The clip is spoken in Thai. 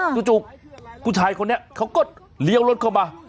จู่ผู้ชายคนนี้เขาก็เลี้ยวรถเข้ามา